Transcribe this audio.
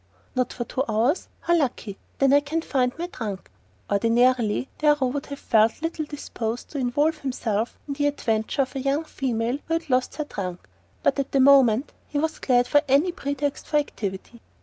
"Not for two hours? How lucky then I can find my trunk!" Ordinarily Darrow would have felt little disposed to involve himself in the adventure of a young female who had lost her trunk; but at the moment he was glad of any pretext for activity.